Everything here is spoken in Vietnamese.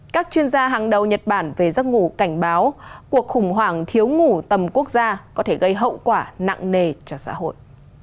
các chuyên gia hàng đầu nhật bản về giấc ngủ cảnh báo cuộc khủng hoảng thiếu ngủ tầm quốc gia có thể gây hậu quả nặng nề cho xã hội